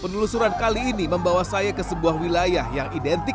penelusuran kali ini membawa saya ke sebuah wilayah yang identik